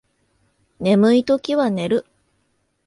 眠いときは寝る